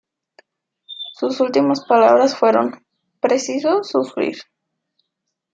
Sus últimas palabras fueron: "Preciso sufrir".